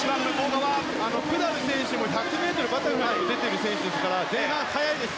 プダル選手も１００ｍバタフライに出ている選手ですから前半、速いです。